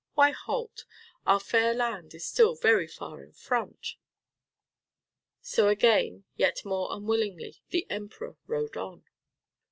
Why halt? Our fair land is still very far in front." So again, yet more unwillingly, the Emperor rode on.